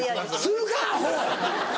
するかアホ！